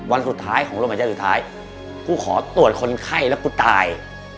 วันสุดท้ายของโรงพยาบาลสุดท้ายกูขอตรวจคนไข้แล้วกูตาย